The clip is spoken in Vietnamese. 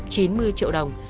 năm trăm chín mươi triệu đồng